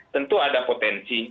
tentu ada potensi